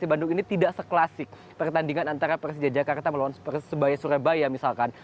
persi bandung ini tidak seklasik pertandingan antara persija jakarta melawan persibaya surebaya misalkan